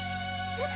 えっ？